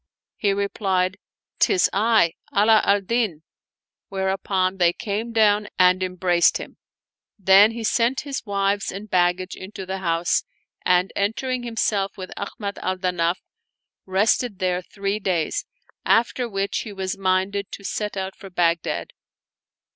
" He replied, " 'Tis I ! Ala al Din !" whereupon they came down and embraced him. Then he sent his wives and baggage into the house, and entering himself with Ahmad al Danaf, rested there three days, after which he was minded to set out for Bagh dad.